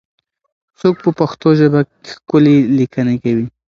څوک په پښتو ژبه ښکلې لیکنې کوي؟